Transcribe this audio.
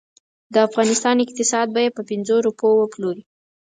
د افغانستان اقتصاد به یې په پنځو روپو وپلوري.